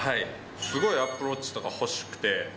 すごい、アップルウォッチとか欲しくて。